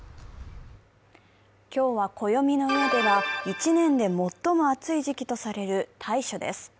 今日は暦の上では一年で最も暑い時期とされる大暑です。